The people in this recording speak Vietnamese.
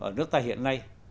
ở nước ta hiện nay